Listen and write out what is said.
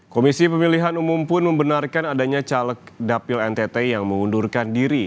komisi pemilihan umum pun membenarkan adanya caleg dapil ntt yang mengundurkan diri